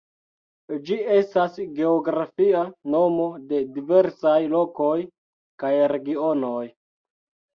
Ĝi estas geografia nomo de diversaj lokoj kaj regionoj.